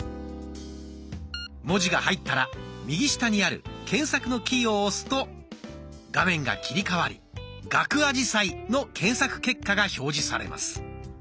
文字が入ったら右下にある検索のキーを押すと画面が切り替わり「ガクアジサイ」の検索結果が表示されます。